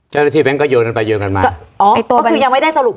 เจ้าหน้าที่แบงก็โยนกันไปโยนกันมาอ๋อก็คือยังไม่ได้สรุป